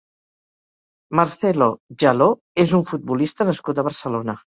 Marcelo Djaló és un futbolista nascut a Barcelona.